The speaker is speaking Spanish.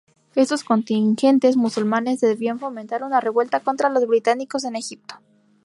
Estos contingentes musulmanes debían fomentar una revuelta contra los británicos en Egipto.